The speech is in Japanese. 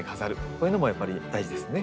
こういうのもやっぱり大事ですね。